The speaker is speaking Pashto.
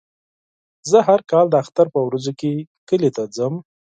زه هر کال د اختر په ورځو کې کلي ته ځم.